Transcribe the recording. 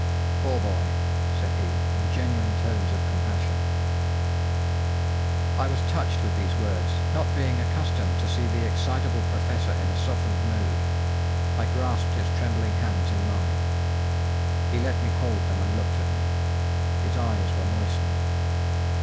"Poor boy!" said he, in genuine tones of compassion. I was touched with these words, not being accustomed to see the excitable Professor in a softened mood. I grasped his trembling hands in mine. He let me hold them and looked at me. His eyes were moistened.